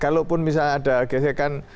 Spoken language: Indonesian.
kalaupun misalnya ada gesekan